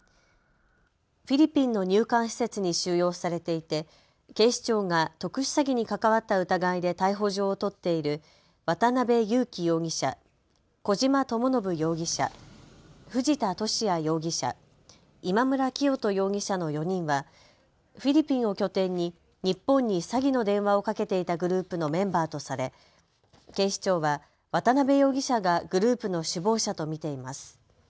フィリピンの入管施設に収容されていて警視庁が特殊詐欺に関わった疑いで逮捕状を取っている渡邉優樹容疑者、小島智信容疑者、藤田聖也容疑者、今村磨人容疑者の４人はフィリピンを拠点に日本に詐欺の電話をかけていたグループのメンバーとされ警視庁は渡邉容疑者がグループの首謀者と見ています。